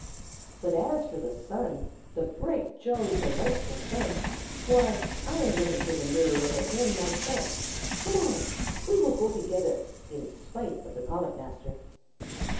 ] But as for the Sun, the bright, jolly, delightful Sun, why, I am going to take a nearer look at him myself. Come on! We will go together, in spite of the Comet Master."